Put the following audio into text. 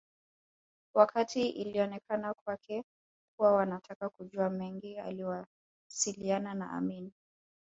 Wakati ilionekana kwake kuwa wanataka kujua mengi aliwasiliana na Amin